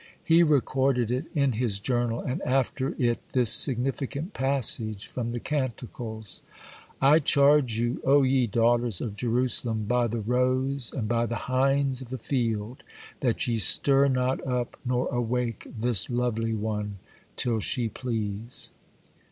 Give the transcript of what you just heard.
He recorded it in his journal, and after it this significant passage from the Canticles:— 'I charge you, O ye daughters of Jerusalem, by the roes, and by the hinds of the field, that ye stir not up nor awake this lovely one till she please.